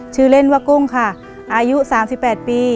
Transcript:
ชื่อเล่นว่ากุ้งค่ะอายุ๓๘ปี